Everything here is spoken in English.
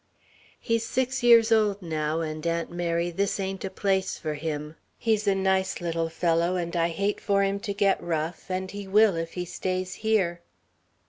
"... He's six years old now and Aunt Mary this ain't a place for him. He's a nice little fellow and I hate for him to get rough and he will if he stays here...."